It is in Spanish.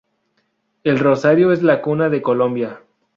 El Rosario es la cuna de Colombia.